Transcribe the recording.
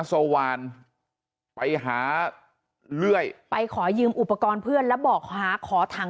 สวานไปหาเลื่อยไปขอยืมอุปกรณ์เพื่อนแล้วบอกหาขอถัง